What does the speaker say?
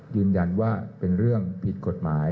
ยืนยันว่าเป็นเรื่องผิดกฎหมาย